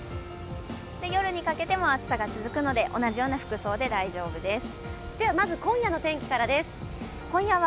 夜にかけても暑さが続くので、同じような服装で大丈夫です。